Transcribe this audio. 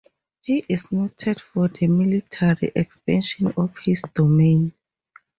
He is noted for the military expansion of his domain.